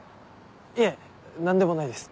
いえ何でもないです。